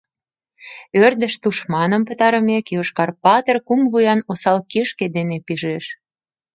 Ӧрдыж тушманым пытарымек, Йошкар Патыр кум вуян осал кишке дене пижеш...